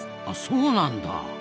あそうなんだ。